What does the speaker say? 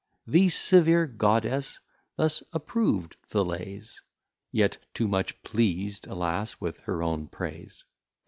The Severe Godess thus approv'd the Laies: Yet too much pleas'd, alas, with her own Praise.